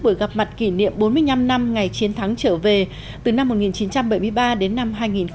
buổi gặp mặt kỷ niệm bốn mươi năm năm ngày chiến thắng trở về từ năm một nghìn chín trăm bảy mươi ba đến năm hai nghìn một mươi năm